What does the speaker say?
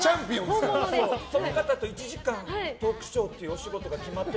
その方と１時間トークショーというお仕事が決まってて。